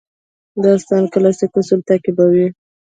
داستان کلاسیک اصول تعقیبوي.